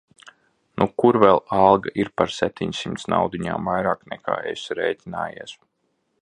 Nu kur vēl alga ir par septiņsimt naudiņām vairāk nekā esi rēķinājies.